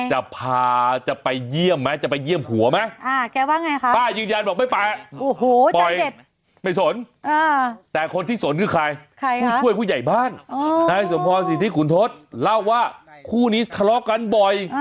จะพาจะไปเยี่ยมไหมจะไปเยี่ยมหัวไหมแกว่าไงครับ